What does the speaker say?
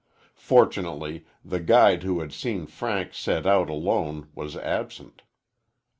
Fortunately, the guide who had seen Frank set out alone was absent.